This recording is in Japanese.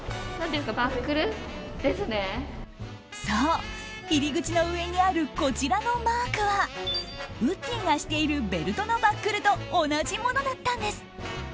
そう、入り口の上にあるこちらのマークはウッディがしているベルトのバックルと同じものだったんです。